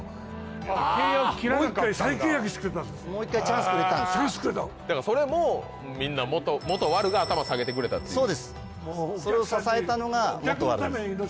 もう１回チャンスくれたんですだからそれもみんな元ワルが頭を下げてくれたっていうそうですそれを支えたのが元ワルです